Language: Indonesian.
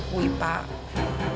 kemarin sikap saya itu keterlaluan